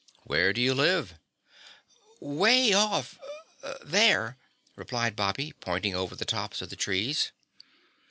"Where do you live?" "Way off there," replied Bobby, pointing over the tops of the trees.